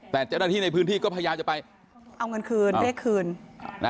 แต่เจ้าหน้าที่ในพื้นที่ก็พยายามจะไปเอาเงินคืนเรียกคืนนะ